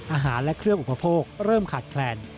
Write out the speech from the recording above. อาหารและเครื่องอุปโภคเริ่มขาดแคลน